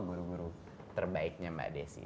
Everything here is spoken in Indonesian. guru guru terbaiknya mbak desi